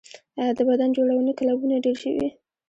آیا د بدن جوړونې کلبونه ډیر شوي؟